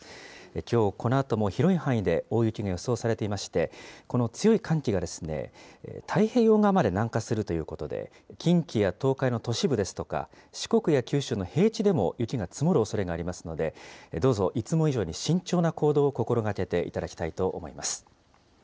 きょう、このあとも広い範囲で大雪が予想されていまして、この強い寒気が、太平洋側まで南下するということで、近畿や東海の都市部ですとか、四国や九州の平地でも雪が積もるおそれがありますので、どうぞ、いつも以上に慎重な行動を心がけていただきたいと思います。